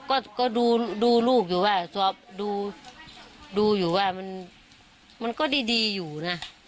ก็ก็ดูดูลูกอยู่ว่าดูดูอยู่ว่ามันมันก็ดีดีอยู่น่ะ